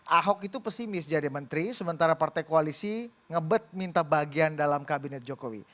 ahok itu pesimis jadi menteri sementara partai koalisi ngebet minta bagian dalam kabinet jokowi